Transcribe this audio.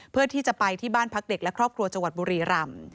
เพื่อที่จะไปที่บ้านพักเด็กและครอบครัวจังหวัดบุรีรำ